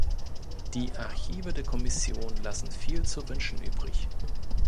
Die Archive der Kommission lassen viel zu wünschen übrig.